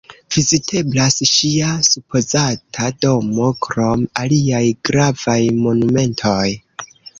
Viziteblas ŝia supozata domo, krom aliaj gravaj monumentoj.